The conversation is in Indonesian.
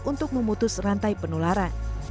untuk penyakit penularan